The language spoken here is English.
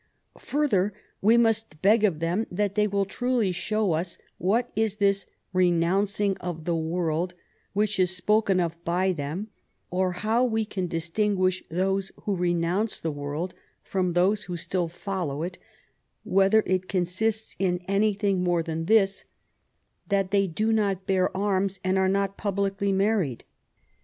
" Further, we must beg of them that they will truly show us what is this ' renouncing of the world ', which is spoken of by them : or how we can distin guish those who renounce the world from those who still follow it, whether it consists in anything more than this, that they do not bear arms and are not publicly married